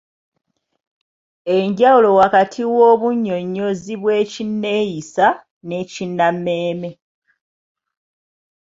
Enjawulo wakati w’obunnyonnyozi bw’Ekinneeyisa n’Ekinnammeeme.